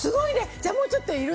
じゃあもうちょっといる？